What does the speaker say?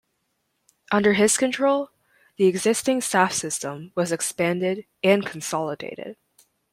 Under his control, the existing staff system was expanded and consolidated.